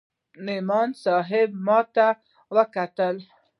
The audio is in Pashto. نعماني صاحب ما ته وکتل.